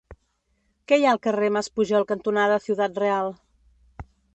Què hi ha al carrer Mas Pujol cantonada Ciudad Real?